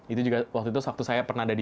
itu juga waktu itu waktu saya pernah ada di